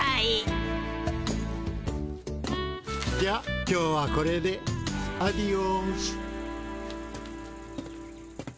じゃ今日はこれで。アディオス！